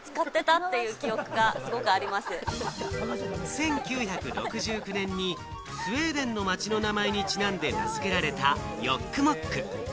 １９６９年にスウェーデンの街の名前にちなんで付けられたヨックモック。